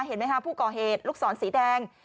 เห็นไหมคะผู้ก่อเหตุลูกศรสีแดง